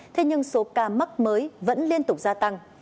thế nhưng số ca mắc mới vẫn liên tục gia tăng